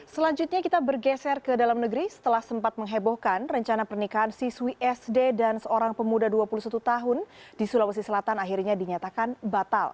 selanjutnya kita bergeser ke dalam negeri setelah sempat menghebohkan rencana pernikahan siswi sd dan seorang pemuda dua puluh satu tahun di sulawesi selatan akhirnya dinyatakan batal